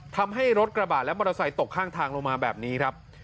ทำให้รถกระบาดและมอเตอร์ไซค์ตกข้างทางลงมาแบบนี้ครับ